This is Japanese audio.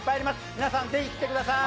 皆さん、ぜひ来てください！